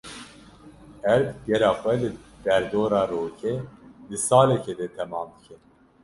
Erd gera xwe li derdora rokê di salekê de temam dike.